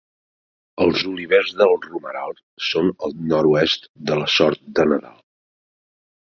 Els Olivers del Romeral són al nord-oest de la Sort de Nadal.